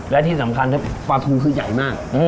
และที่สำคัญปลาทูคือใหญ่มาก